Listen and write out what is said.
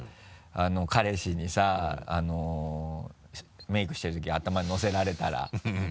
彼氏にさメイクしてるとき頭にのせられたら。